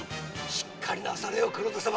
しっかりなされよ黒田様！